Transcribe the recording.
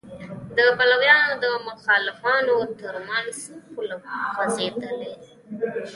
د پلویانو او مخالفانو تر منځ پوله خوځېدلې ده.